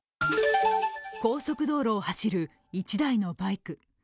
高速道路を走る１台のバイク。